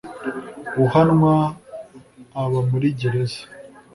uhanwa aba muri gereza